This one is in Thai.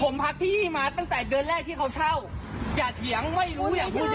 ผมพักพี่มาตั้งแต่เดือนแรกที่เขาเช่าอย่าเถียงไม่รู้อย่างพูด